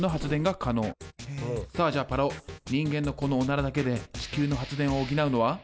さあじゃあパラオ人間のこのオナラだけで地球の発電を補うのは？